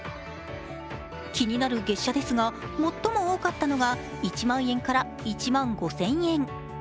気になる月謝ですが最も多かったのが１万円から１万５０００円。